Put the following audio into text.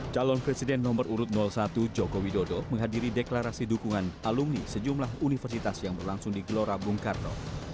calon presiden nomor urut satu jokowi dodo menghadiri deklarasi dukungan alumni sejumlah universitas yang berlangsung di gelora bung karno